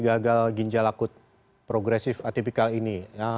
gagal ginjal akut progresif atipikal ini